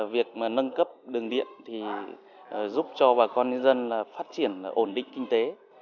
việc mà nâng cấp đường điện thì giúp cho bà con nhân dân là phát triển ổn định kinh tế